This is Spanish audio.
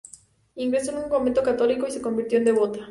Ingresó en un convento católico y se convirtió en devota.